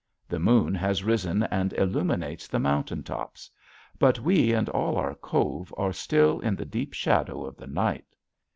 The moon has risen and illuminates the mountain tops but we and all our cove are still in the deep shadow of the night.